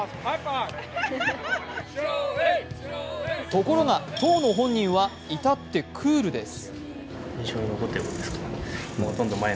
ところが当の本人はいたってクールです。